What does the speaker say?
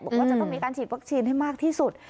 บอกว่าจะต้องมีการฉีดวัคซีนให้มากที่สุด